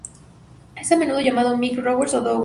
Es a menudo llamado "Mick Rogers", o "Dodger".